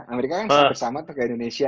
amerika kan sama sama dengan indonesia